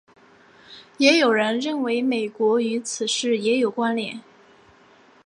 也有人认为美国与此事也有关连。